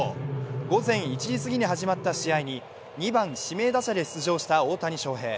午前１時過ぎに始まった試合に２番・指名打者で出場した大谷翔平。